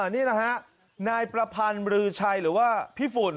นี่นะฮะนายประพันธ์บรือชัยหรือว่าพี่ฝุ่น